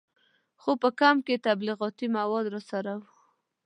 خو په کمپ کې تبلیغاتي مواد راسره وو.